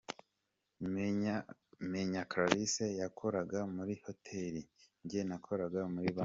Menya Clarisse yakoraga muri hoteli, njye nakoraga muri banki.